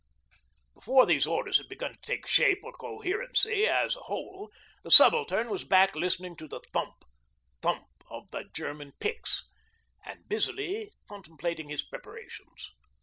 Before these orders had begun to take shape or coherency as a whole, the Subaltern was back listening to the thump, thump of the German picks, and busily completing his preparations.